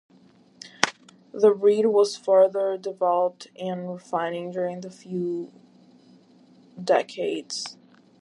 The breed was further developed and refined during the next few decades.